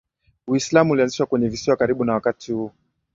Uislam ulianzishwa kwenye visiwa karibu na wakati huu